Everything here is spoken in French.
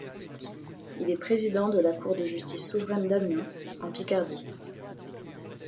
Il est président de la Cour de justice souveraine d'Amiens en Picardie.